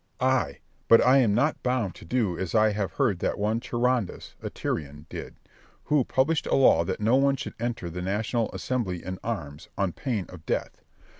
Berg. Ay, but I am not bound to do as I have heard that one Charondas, a Tyrian, did, who published a law that no one should enter the national assembly in arms, on pain of death.